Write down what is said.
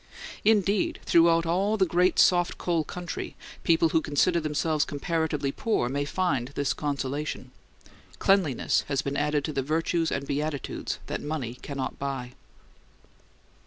Indeed, throughout all the great soft coal country, people who consider themselves comparatively poor may find this consolation: cleanliness has been added to the virtues and beatitudes that money can not buy.